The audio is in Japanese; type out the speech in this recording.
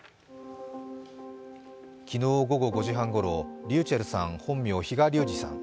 昨日午後５時半ごろ、ｒｙｕｃｈｅｌｌさん本名・比嘉龍二さん